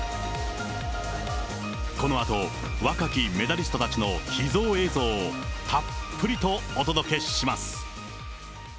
このあと、若きメダリストたちの秘蔵映像をたっぷりとお届けします。